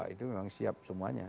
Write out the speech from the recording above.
itu memang siap semuanya